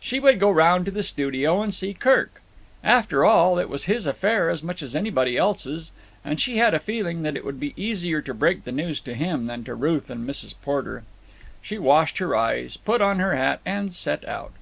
She would go round to the studio and see Kirk. After all, it was his affair as much as anybody else's, and she had a feeling that it would be easier to break the news to him than to Ruth and Mrs. Porter. She washed her eyes, put on her hat, and set out.